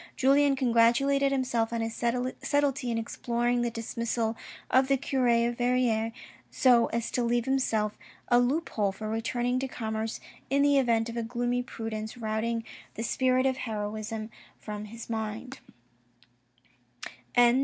Julien congratulated himself on his subtlety in exploiting the dismissal of the cure of Verrieres so as to leave himself a loop hole for returning to commerce in the event of a gloomy pru dence routing the spirit of heroism from his mind.